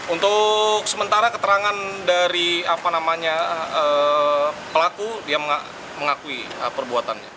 untuk sementara keterangan dari pelaku dia mengakui perbuatannya